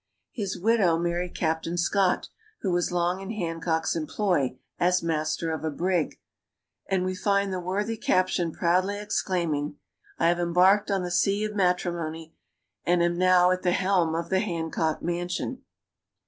His widow married Captain Scott, who was long in Hancock's employ as master of a brig; and we find the worthy captain proudly exclaiming, "I have embarked on the sea of Matrimony, and am now at the helm of the Hancock mansion!"